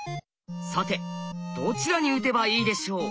さてどちらに打てばいいでしょう？